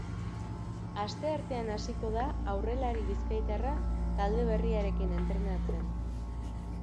Asteartean hasiko da aurrelari bizkaitarra talde berriarekin entrenatzen.